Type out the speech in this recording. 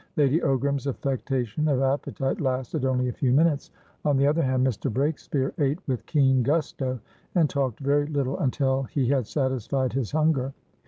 Lady Ogram's affectation of appetite lasted only a few minutes; on the other hand, Mr. Breakspeare ate with keen gusto, and talked very little until he had satisfied his hunger.